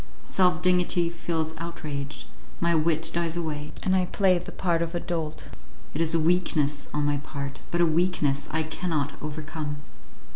Self dignity feels outraged, my wit dies away, and I play the part of a dolt. It is a weakness on my part, but a weakness I cannot overcome.